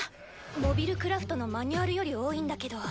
モビルクラフトのマニュアルより多いんだけど。